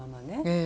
ええ。